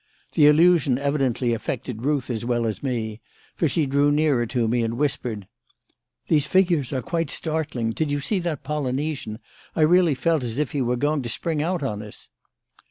The illusion evidently affected Ruth as well as me, for she drew nearer to me and whispered: "These figures are quite startling. Did you see that Polynesian? I really felt as if he were going to spring out on us."